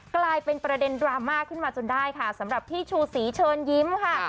กลายเป็นประเด็นดราม่าขึ้นมาจนได้ค่ะสำหรับพี่ชูศรีเชิญยิ้มค่ะ